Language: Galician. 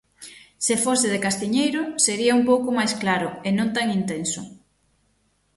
Se fose de castiñeiro, sería un pouco máis claro, e non tan intenso.